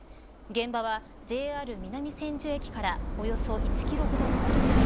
現場はＪＲ南千住駅からおよそ１キロほどの場所です。